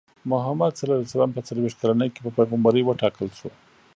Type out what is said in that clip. محمد ص په څلوېښت کلنۍ کې په پیغمبرۍ وټاکل شو.